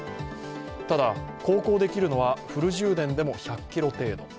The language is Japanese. ただ航行できるのはフル充電でも１００ｋｍ程度。